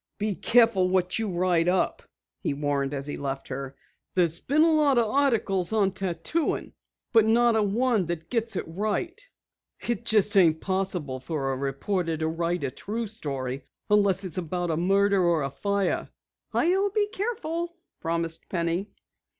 "Be careful what you write up," he warned as he left her. "There's been a lot of articles on tattooin', but not a one that's right. It just ain't possible for a reporter to write a true story unless it's about a murder or a fire!" "I'll be careful," promised Penny.